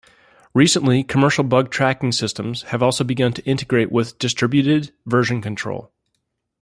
Recently, commercial bug tracking systems have also begun to integrate with distributed version control.